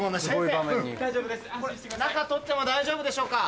中撮っても大丈夫でしょうか？